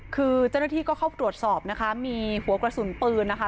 คือเจ้าหน้าที่ก็เข้าตรวจสอบนะคะมีหัวกระสุนปืนนะคะ